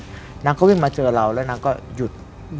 เราก็อธิษฐานนางก็วิ่งมาเจอเราแล้วนางก็หยุด